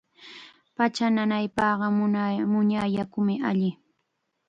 Pacha nanaypaqqa muña yakum alli.